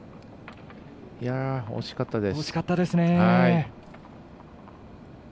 惜しかったです。